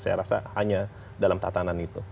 saya rasa hanya dalam tatanan itu